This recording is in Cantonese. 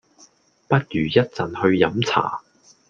不如一陣去飲茶